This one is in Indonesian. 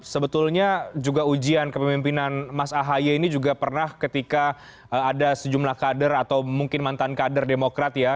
sebetulnya juga ujian kepemimpinan mas ahaye ini juga pernah ketika ada sejumlah kader atau mungkin mantan kader demokrat ya